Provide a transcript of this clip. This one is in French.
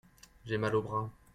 J'ai mal au bras.